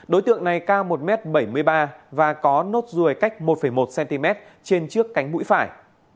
đối tượng này cao một m bảy mươi ba và có nốt ruồi cách một một cm trên trước cánh mũi phải